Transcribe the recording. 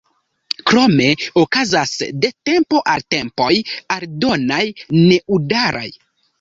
Krome okazas de tempo al tempoj aldonaj nedaŭraj ekspozicioj.